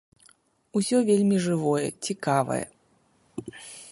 Усё вельмі жывое, цікавае.